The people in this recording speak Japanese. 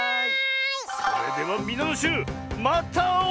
それではみなのしゅうまたあおう！